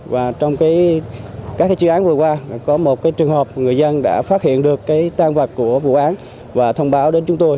và trong các chuyên án vừa qua có một trường hợp người dân đã phát hiện được cái tan vật của vụ án và thông báo đến chúng tôi